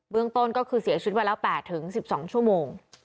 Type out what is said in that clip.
เบื้องต้นก็คือเสียชุดไว้แล้ว๘๑๒ชั่วโมง